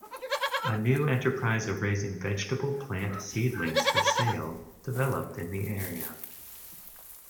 A new enterprise of raising vegetable-plant seedlings for sale developed in the area.